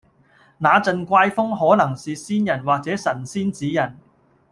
那陣怪風可能是先人或者神仙指引